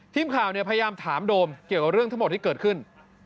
ทีมข่าวพยายามถามโดมเกี่ยวกับเรื่องทั้งหมดที่เกิดขึ้น